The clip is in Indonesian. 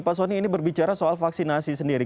pak soni ini berbicara soal vaksinasi sendiri